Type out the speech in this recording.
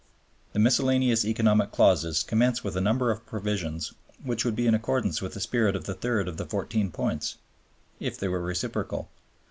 The miscellaneous Economic Clauses commence with a number of provisions which would be in accordance with the spirit of the third of the Fourteen Points, if they were reciprocal.